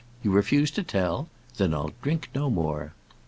you refuse to tell! Then I'll drink no more."